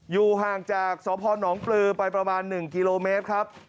อยู่ห่างจากสพนปลือไปประมาณ๑กิโลเมตรครับ